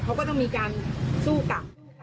เขาก็ต้องมีการสู้กลับ